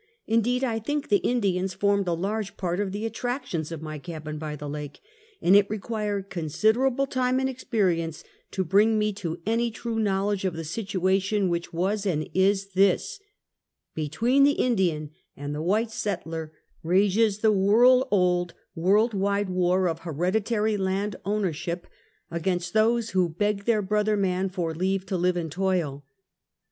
Indeed, I think the Indians formed a large part of the attrac tions of my cabin by the lakes; and it required consid erable time and experience to bring me to any true knowledge of the situation, Avhich was, and is, this: Between the Indian and white settler, rages the world old, world wide war of hereditary land owner ship against those who beg their brother man for leave to live and toil.